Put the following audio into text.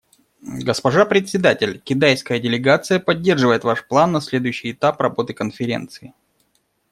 Госпожа Председатель, китайская делегация поддерживает ваш план на следующий этап работы Конференции.